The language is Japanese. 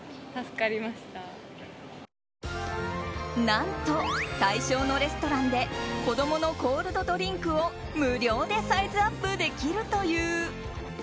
何と、対象のレストランで子供のコールドドリンクを無料でサイズアップできるという。